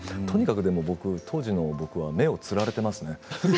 とにかく僕当時の僕は目をつられてますね